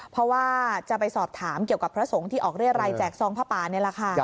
เพราะว่าจะไปสอบถามเกี่ยวกับพระสงฆ์ที่ออกเรียรัยแจกซองผ้าป่านี่แหละค่ะ